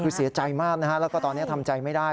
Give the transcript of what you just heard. คือเสียใจมากนะฮะแล้วก็ตอนนี้ทำใจไม่ได้